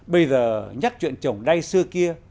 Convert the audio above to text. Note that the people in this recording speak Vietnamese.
bây giờ nhắc chuyện trồng đay xưa kia